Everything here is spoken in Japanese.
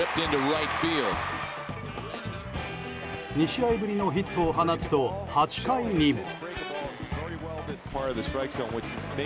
２試合ぶりのヒットを放つと８回にも。